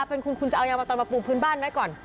อเรนนี่คุณเอายางมาพราบปูบ้านไว้ก่อน